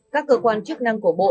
các cơ quan chức năng của bộ